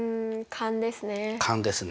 勘ですね。